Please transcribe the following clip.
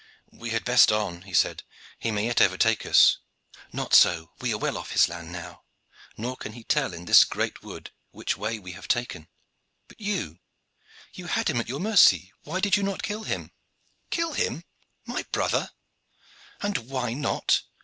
"We had best on," he said. "He may yet overtake us." "Not so. We are well off his land now, nor can he tell in this great wood which way we have taken. But you you had him at your mercy. Why did you not kill him?" "Kill him! My brother!" "And why not?"